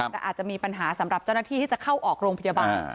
แต่อาจจะมีปัญหาสำหรับเจ้าหน้าที่ที่จะเข้าออกโรงพยาบาล